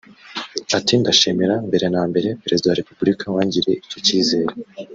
Ati “Ndashimira mbere na mbere Perezida wa Repubulika wangiriye icyo cyizere[